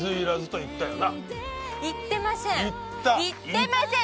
言ってません！